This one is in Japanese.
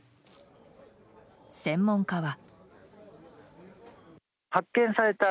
専門家は。